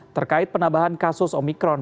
terkait penambahan kasus omikron